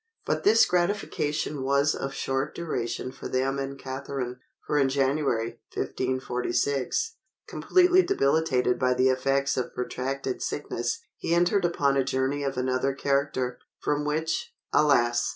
But this gratification was of short duration for them and Catharine; for in January, 1546, completely debilitated by the effects of protracted sickness, he entered upon a journey of another character, from which, alas!